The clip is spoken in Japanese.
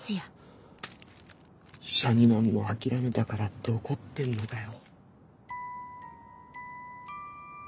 医者になるの諦めたからって怒ってんのかよ。